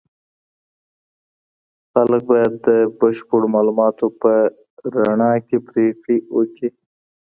خلګ باید د بشپړو معلوماتو په رڼا کي پریکړې وکړي.